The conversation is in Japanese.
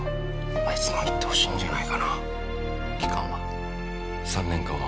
あいつも行ってほしいんじゃないかな。期間は？